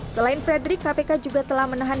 selain frederick kpk juga telah menahan